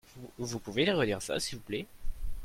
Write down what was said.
Vous pouvez redire ça s'il vous plait ?